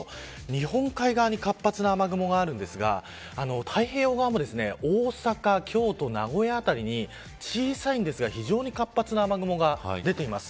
日本海側に活発な雨雲があるんですが太平洋側も大阪、京都、名古屋辺りに小さいんですが非常に活発な雨雲が出ています。